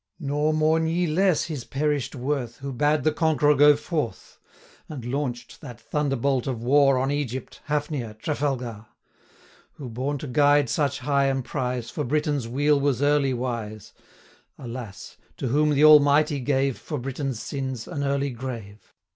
Nor mourn ye less his perished worth, Who bade the conqueror go forth, 80 And launch'd that thunderbolt of war On Egypt, Hafnia, Trafalgar; Who, born to guide such high emprize, For Britain's weal was early wise; Alas! to whom the Almighty gave, 85 For Britain's sins, an early grave!